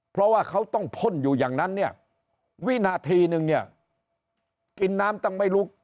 เพราะว่าเขาต้องพ่นอยู่อย่างนั้นเนี่ยวินาทีนึงเนี่ยกินน้ำตั้งไม่รู้